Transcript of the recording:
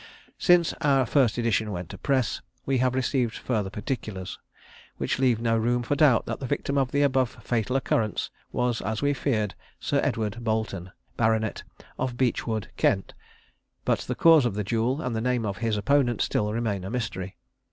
"Since our first edition went to press, we have received further particulars, which leave no room for doubt that the victim of the above fatal occurrence was, as we feared, Sir Edward Boleton, Bart., of Beechwood, Kent; but the cause of the duel, and the name of his opponent, still remain a mystery.